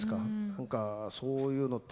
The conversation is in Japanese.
何かそういうのってね